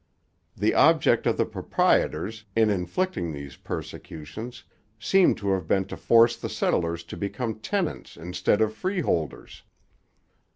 The object of the proprietors, in inflicting these persecutions, seems to have been to force the settlers to become tenants instead of freeholders.